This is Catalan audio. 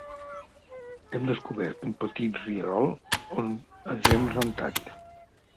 Hem descobert un petit rierol, on ens hem rentat.